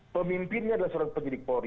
pemimpinnya adalah seorang penyidik polri